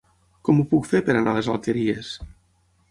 Com ho puc fer per anar a les Alqueries?